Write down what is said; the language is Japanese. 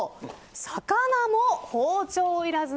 魚も包丁いらず！